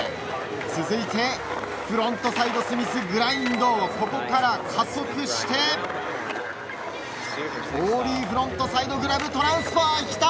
続いて、フロントサイドスミスグラインドここから加速してオーリーフロントサイドグラブトランスファー。